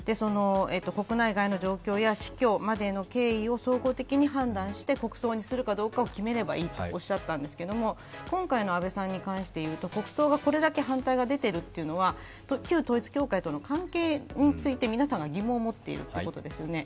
国内外の状況や死去までの経緯を総合的に判断して国葬にするかどうか決めればいいとおっしゃたんですが、今回の安倍さんに関して言うと国葬がこれだけ反対が出ているというのは、旧統一教会との関係について皆さんが疑問を持っているということですよね。